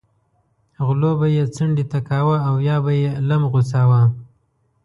غلو به یې څنډې ته کاوه او یا به یې لم غوڅاوه.